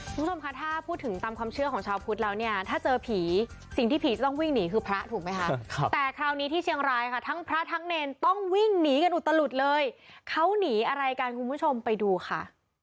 คุณผู้ชมคะถ้าพูดถึงตามความเชื่อของชาวพุทธแล้วเนี่ยถ้าเจอผีสิ่งที่ผีจะต้องวิ่งหนีคือพระถูกไหมคะแต่คราวนี้ที่เชียงรายค่ะทั้งพระทั้งเนรต้องวิ่งหนีกันอุตลุดเลยเขาหนีอะไรกันคุณผู้ชมไปดูค่ะ